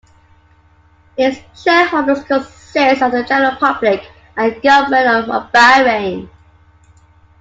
Its shareholders consist of the general public and government of Bahrain.